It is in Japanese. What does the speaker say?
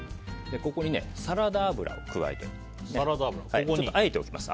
ここにサラダ油を加えます。